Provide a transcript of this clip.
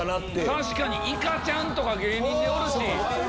確かにいかちゃんとか芸人でおるし。